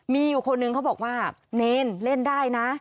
มีอยู่คนนึงเขาบอกว่าเนรเล่นได้นะ